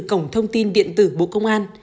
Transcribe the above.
cổng thông tin điện tử bộ công an